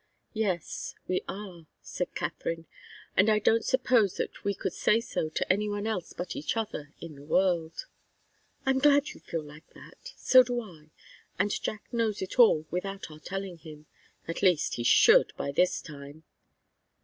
"Yes. We are," said Katharine. "And I don't suppose that we could say so to any one else but each other in the world." "I'm glad you feel that. So do I. And Jack knows it all without our telling him. At least, he should, by this time."